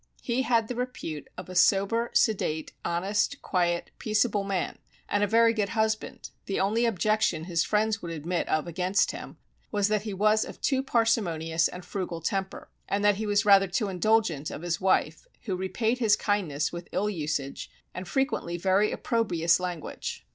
He had the repute of a sober, sedate, honest, quiet, peaceable man, and a very good husband, the only objection his friends would admit of against him was that he was of too parsimonious and frugal temper, and that he was rather too indulgent of his wife, who repaid his kindness with ill usage, and frequently very opprobious language.